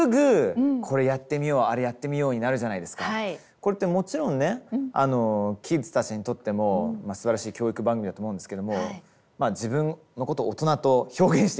これってもちろんねキッズたちにとってもすばらしい教育番組だと思うんですけどもまあ自分のことを大人と表現していいのか分かりませんけど。